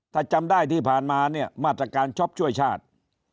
ถ้าจำได้ที่ผ่านมาเนี่ยมาตรการช็อปช่วยชาติ